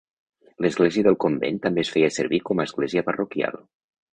L'església del convent també es feia servir com a església parroquial.